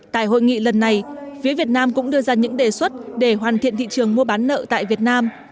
tại hội nghị lần này phía việt nam cũng đưa ra những đề xuất để hoàn thiện thị trường mua bán nợ tại việt nam